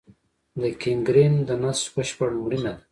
د ګینګرین د نسج بشپړ مړینه ده.